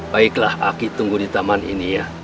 baiklah aki tunggu di taman ini ya